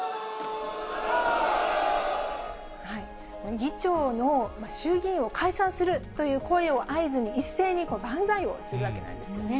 議長の衆議院を解散するという声を合図に、一斉に万歳をするわけなんですね。